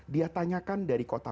dia tanyakan dari kota